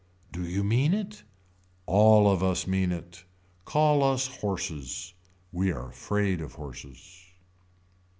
Do you mean it. All of us mean it. Call us horses. We are afraid of horses.